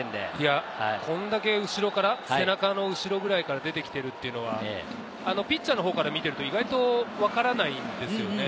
こんだけ後ろから背中の後ろぐらいから出てきてるっていうのはピッチャーのほうから見てると意外とわからないんですよね。